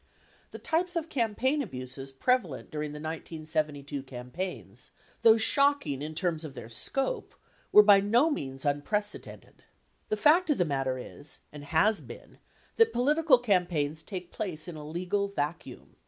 The types of campaign abuses preva lent during the 1972 campaigns, though shocking in terms of their scope, were by no means unprecedented. The fact of the matter is, and has been, that political campaigns take place in a legal vacuum.